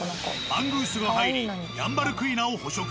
マングースが入りヤンバルクイナを捕食。